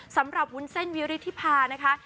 สำหรับวุ้นเส้นวิวริธีพานะคะ